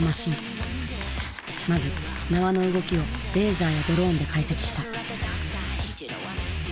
まず縄の動きをレーザーやドローンで解析した。